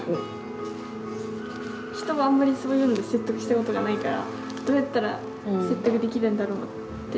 人をあんまりそういうので説得したことがないからどうやったら説得できるんだろうって。